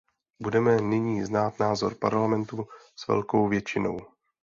Budeme nyní znát názor Parlamentu s velkou většinou.